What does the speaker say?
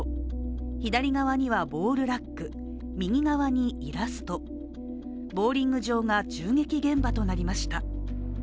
左側にはボウルラック、右側にイラスト、ボウリング場が銃撃現場となりました。